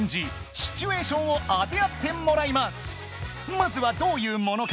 まずはどういうものか